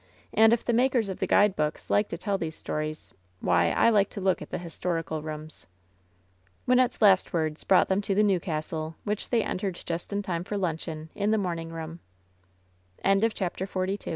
And if the makers of the guidebooks like to tell these stories, why, I like to look at the historical rooms." Wynnette's last words brought them to the new castle, which they entered just in time for luncheon, in the mor